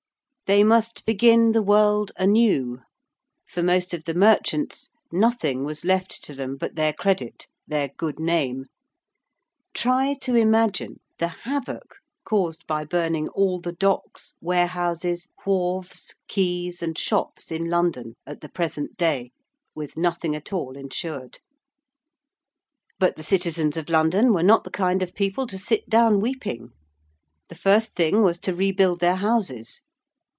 They must begin the world anew. For most of the merchants nothing was left to them but their credit their good name: try to imagine the havoc caused by burning all the docks, warehouses, wharves, quays, and shops in London at the present day with nothing at all insured! [Illustration: LONDON, AS REBUILT AFTER THE FIRE.] But the citizens of London were not the kind of people to sit down weeping. The first thing was to rebuild their houses.